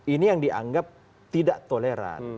ini yang dianggap tidak toleran